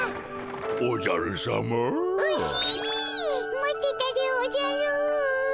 待ってたでおじゃる。